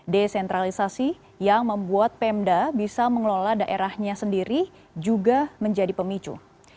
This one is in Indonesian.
desentralisasi yang membuat pemda bisa mengelola daerahnya sendiri juga menjadi pemicu